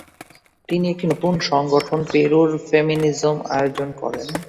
তিনি একটি নতুন সংগঠন "পেরুর ফেমেনিজম" আয়োজন করেন।